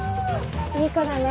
いい子だね。